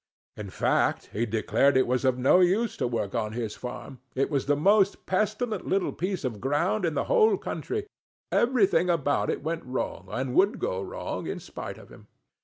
In fact, he declared it was of no use to work on his farm; it was the most pestilent little piece of ground in the whole country; everything about it went wrong, and would go wrong, in spite of him.